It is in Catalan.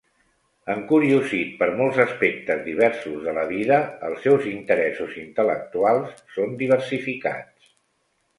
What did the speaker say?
Encuriosit per molts aspectes diversos de la vida, els seus interessos intel·lectuals són diversificats.